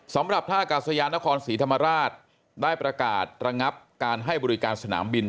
สำหรับท่ากาศยานนครศรีธรรมราชได้ประกาศระงับการให้บริการสนามบิน